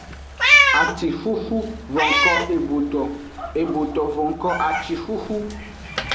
Acixuxu vonko eboto, eboto vonko acixuxu.